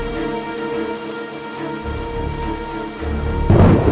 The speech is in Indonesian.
bapak pernah lihat anak ini